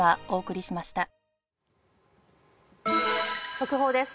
速報です。